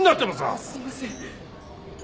あっすいません。